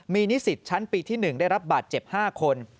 มีนิสิตชั้นปีที่๑ได้รับบาดเจ็บ๕คน